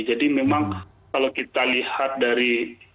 jadi memang kalau kita lihat dari